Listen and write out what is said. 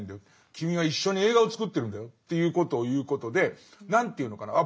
君は一緒に映画を作ってるんだよ」ということを言うことで何ていうのかなあ